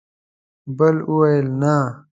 بل وویل: نه!